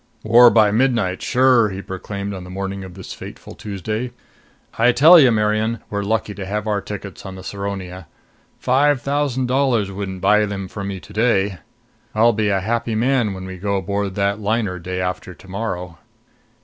"War by midnight, sure!" he proclaimed on the morning of this fateful Tuesday. "I tell you, Marian, we're lucky to have our tickets on the Saronia. Five thousand dollars wouldn't buy them from me to day! I'll be a happy man when we go aboard that liner day after to morrow."